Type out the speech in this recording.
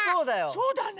そうだね。